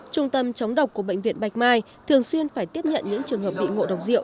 trung tâm chống độc của bệnh viện bạch mai thường xuyên phải tiếp nhận những trường hợp bị ngộ độc rượu